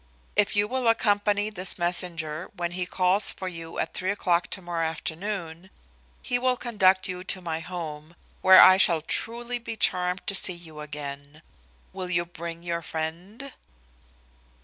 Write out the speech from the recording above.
If you will accompany this messenger when he calls for you at three o'clock tomorrow afternoon, he will conduct you to my home, where I shall truly be charmed to see you again. Will you bring your friend?